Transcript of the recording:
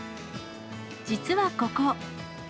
実はここ。